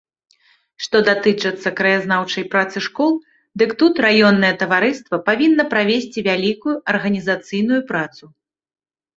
Што датычыцца краязнаўчай працы школ, дык тут раённае таварыства павінна правесці вялікую арганізацыйную працу.